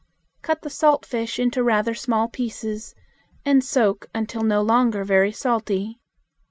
Cut the salt fish into rather small pieces, and soak until no longer very salty.